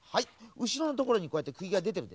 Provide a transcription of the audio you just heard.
うしろのところにこうやってくぎがでてるでしょ？